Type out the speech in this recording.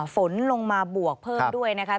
ฝนลงมาบวกเพิ่มด้วยนะคะ